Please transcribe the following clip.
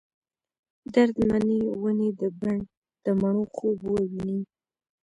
درد منې ونې د بڼ ، دمڼو خوب وویني